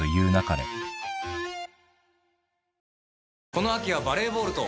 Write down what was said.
この秋はバレーボールと。